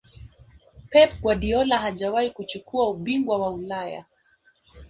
pep guardiola hajawahi kuchukua ubingwa wa ulaya